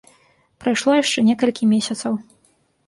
Прайшло яшчэ некалькі месяцаў.